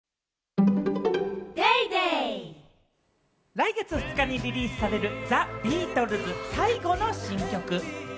来月２日にリリースされる、ザ・ビートルズ最後の新曲。